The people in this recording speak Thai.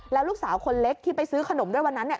แล้วลูกสาวคนเล็กที่ไปซื้อขนมด้วยวันนั้นเนี่ย